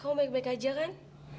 kamu baik baik aja kan